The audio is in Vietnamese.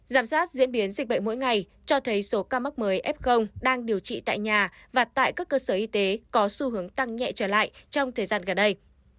giám sát diễn biến dịch bệnh mỗi ngày cho thấy số ca mắc mới f đang điều trị tại nhà và tại các cơ sở y tế có xu hướng tăng nhẹ trở lại trong thời gian gần đây